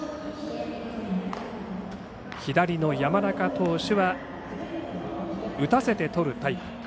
左の山中投手は打たせてとるタイプ。